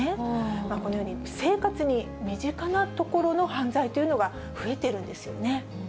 このように、生活に身近なところの犯罪というのが増えているんですよね。